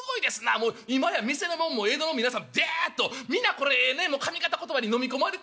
もう今や店のもんも江戸の皆さんもでやっと皆これね上方言葉に飲み込まれて」。